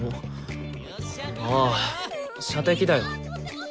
ああ射的だよ。